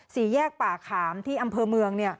สี่แยกป่าขามที่อำเภอเมือง